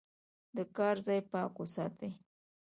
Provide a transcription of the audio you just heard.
د کار ځای پاک وساتئ.